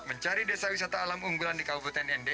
mencari desa wisata alam unggulan di kabupaten nd